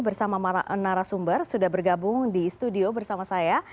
hari ini bersama nara sumber sudah bergabung di studio bersama saya